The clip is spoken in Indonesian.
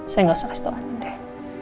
saya gak usah kasih tau andin deh